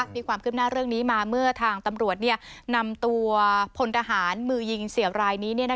มีความคืบหน้าเรื่องนี้มาเมื่อทางตำรวจนำตัวพลทหารมือยิงเสี่ยวรายนี้